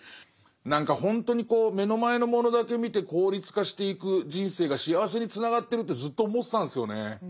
何かほんとに目の前のものだけ見て効率化していく人生が幸せにつながってるってずっと思ってたんですよね。